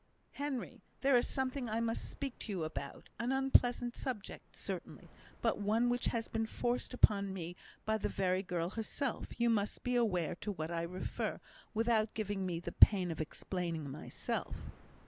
"Henry, there is something I must speak to you about; an unpleasant subject, certainly, but one which has been forced upon me by the very girl herself; you must be aware to what I refer without giving me the pain of explaining myself."